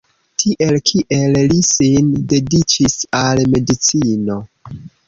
Tiel kiel li sin dediĉis al medicino.